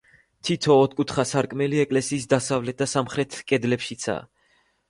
თითო, ოთხკუთხა სარკმელი ეკლესიის დასავლეთ და სამხრეთ კედლებშიცაა.